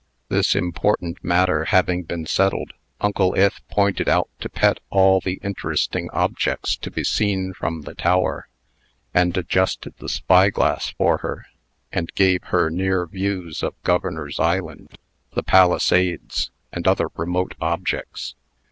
This important matter having been settled, Uncle Ith pointed out to Pet all the interesting objects to be seen from the tower, and adjusted the spyglass for her, and gave her near views of Governor's Island, the Palisades, and other remote objects.